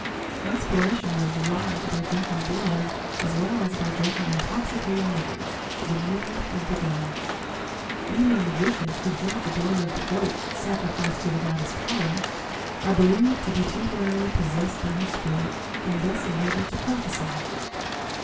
Inspiration was derived by drinking blood as well as by drinking intoxicating liquors the mead of the gods. Indian magicians who drink the blood of the goat sacrificed to the goddess Kali, are believed to be temporarily possessed by her spirit, and thus enabled to prophesy.